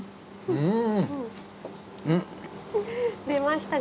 うん！